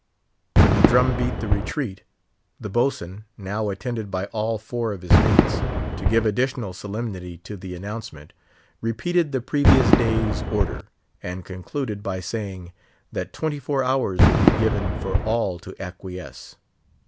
When the drum beat the retreat, the Boatswain—now attended by all four of his mates, to give additional solemnity to the announcement—repeated the previous day's order, and concluded by saying, that twenty four hours would be given for all to acquiesce.